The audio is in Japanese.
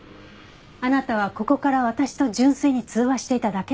あなたはここから私と純粋に通話していただけだった。